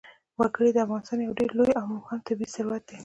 وګړي د افغانستان یو ډېر لوی او مهم طبعي ثروت دی.